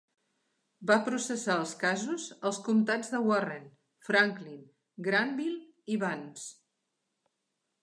Va processar els casos als comtats de Warren, Franklin, Granville i Vance.